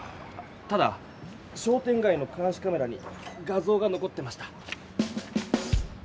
ただ商店がいのかんしカメラに画ぞうがのこってました。